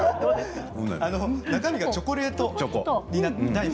中身がチョコレート大福。